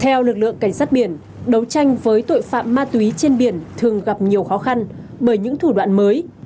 theo lực lượng cảnh sát biển đấu tranh với tội phạm ma túy trên biển thường gặp nhiều khó khăn bởi những thủ đoạn mới